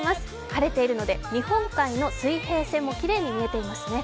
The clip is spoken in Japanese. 晴れているので日本海の水平線もきれいに見えていますね。